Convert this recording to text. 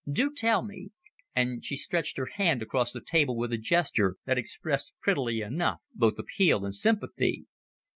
Do tell me;" and she stretched her hand across the table with a gesture that expressed prettily enough both appeal and sympathy.